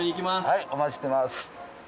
はいお待ちしてます。